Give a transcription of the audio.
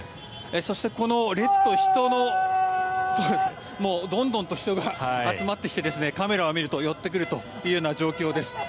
そして、この列と人のどんどんと人が集まってきてカメラを見ると寄ってくるという状況です。